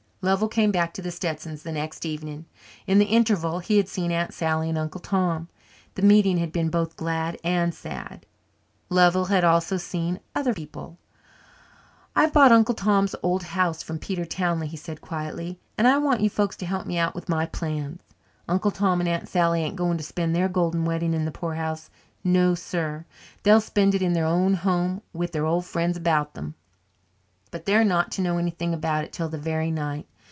Lovell came back to the Stetsons' the next evening. In the interval he had seen Aunt Sally and Uncle Tom. The meeting had been both glad and sad. Lovell had also seen other people. "I've bought Uncle Tom's old house from Peter Townley," he said quietly, "and I want you folks to help me out with my plans. Uncle Tom and Aunt Sally ain't going to spend their golden wedding in the poorhouse no, sir. They'll spend it in their own home with their old friends about them. But they're not to know anything about it till the very night.